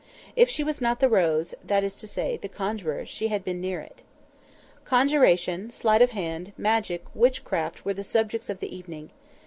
If she was not the rose (that is to say the conjuror) she had been near it. Conjuration, sleight of hand, magic, witchcraft, were the subjects of the evening.